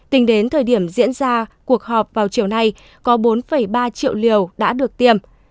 tính đến thời điểm diễn ra cuộc họp vào chiều nay có bốn ba triệu liều đã được tiêm